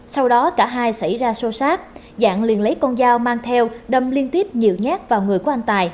sau đó cả hai xảy ra sâu sát dạng liền lấy con dao mang theo đâm liên tiếp nhiều nhát vào người của anh tài